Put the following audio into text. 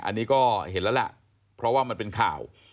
อันนี้ก็เห็นแล้วล่ะเพราะว่ามันเป็นข่าว